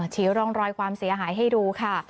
ชี้ร่องรอยความเสียหายให้ดูค่ะ